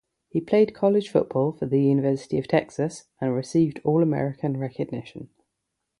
He played college football for the University of Texas, and received All-American recognition.